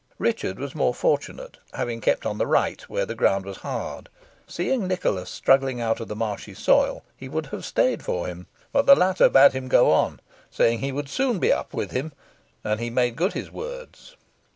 Richard was more fortunate, having kept on the right, where the ground was hard. Seeing Nicholas struggling out of the marshy soil, he would have stayed for him; but the latter bade him go on, saying he would soon be up with him, and he made good his words.